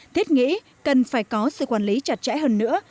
thiết nghĩ cần phải có sự quản lý chặt chẽ hơn nữa